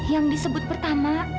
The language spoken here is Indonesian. yang disebut pertama